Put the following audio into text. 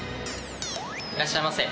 いらっしゃいませ。